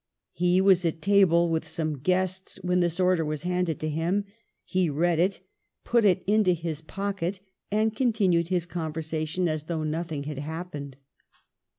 He was at table with some guests when this order was handed to him ; he read it, put it into his pocket, and continued his conver sation as though nothing had happened.